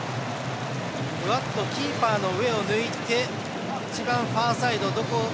ふわっとキーパーの上を抜いてファーサイド。